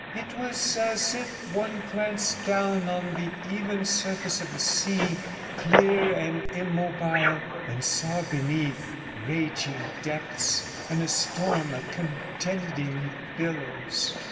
It was as if one glanced down on the even surface of the sea, clear and immobile, and saw beneath raging depths and a storm of contending billows.